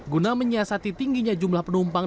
guna menyiasati tingginya jumlah penumpang